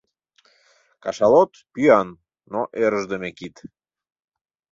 Кашалот — пӱян, но ӧрышдымӧ кит.